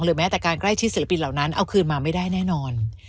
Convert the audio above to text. แม้แต่การใกล้ชิดศิลปินเหล่านั้นเอาคืนมาไม่ได้แน่นอน